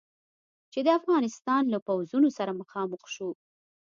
چې د افغانستان له پوځونو سره مخامخ شو.